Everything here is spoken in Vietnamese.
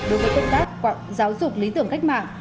đối với tất cả quạng giáo dục lý tưởng cách mạng